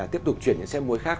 tiếp tục chuyển những xe muối khác